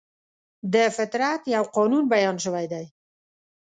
د فطرت یو قانون بیان شوی دی.